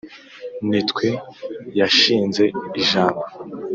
ni twe yashinze ijambo